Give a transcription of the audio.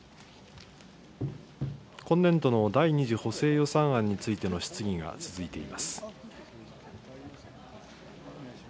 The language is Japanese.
今年度の第２次補正予算案についての質疑が続いています。